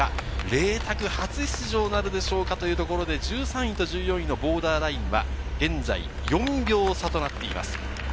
麗澤、初出場なるでしょうかというところで、１３位と１４位のボーダーラインは現在、４秒差となっています。